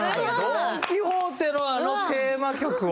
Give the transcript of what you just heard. ドン・キホーテのあのテーマ曲を。